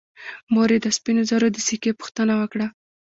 مور یې د سپینو زرو د سکې پوښتنه وکړه.